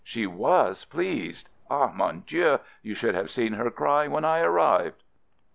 "She was pleased! Ah, mon Dieu, you should have seen her cry when I arrived."